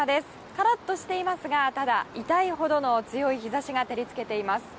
カラッとしていますがただ、痛いほどの強い日差しが照り付けています。